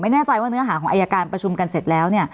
ไม่แน่ใจว่าเนื้อหาของอายการประชุมกันเสร็จแล้วเนี่ย